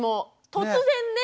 突然ね。